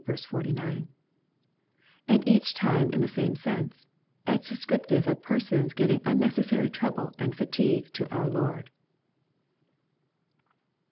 49 ; and each time in the same sense, as descriptive of persons giving unnecessary trouble and fatigue to our Lord.